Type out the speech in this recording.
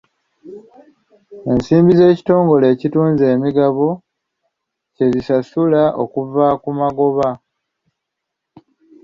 Ensimbi ekitongole ekitunze emigabo kye zisasula okuva ku magoba.